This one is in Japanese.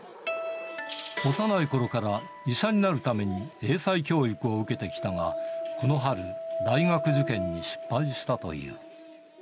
幼いころから医者になるために英才教育を受けてきたが、この春、大学受験に失敗したという。